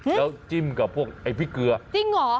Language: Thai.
แล้วจิ้มกับพวกไอ้พริกเกลือจริงเหรอ